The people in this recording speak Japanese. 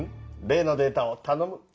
例のデータをたのむ。